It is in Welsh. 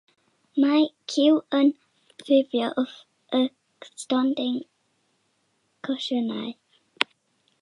Mae ciw yn ffurfio wrth y stondin consesiynau.